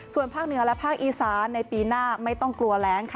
ส่วนภาคเหนือและภาคอีสานในปีหน้าไม่ต้องกลัวแรงค่ะ